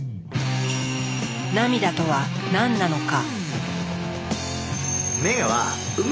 涙とは何なのか？